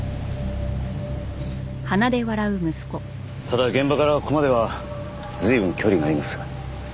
ただ現場からここまでは随分距離があります。